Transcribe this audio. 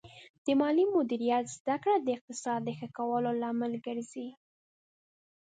د مالي مدیریت زده کړه د اقتصاد ښه کولو لامل ګرځي.